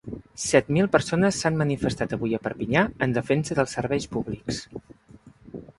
Set mil persones s’han manifestat avui a Perpinyà en defensa dels serveis públics.